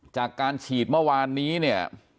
จากการฉีดเมื่อวานนี้เนี่ย